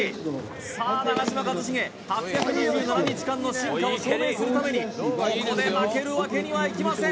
さあ長嶋一茂８２７日間の進化を証明するためにここで負けるわけにはいきません